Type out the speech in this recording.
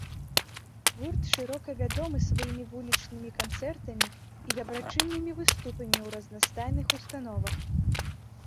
Гурт шырока вядомы сваімі вулічнымі канцэртамі і дабрачыннымі выступамі ў разнастайных установах.